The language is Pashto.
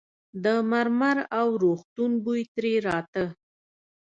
د مرمر او روغتون بوی ترې راته.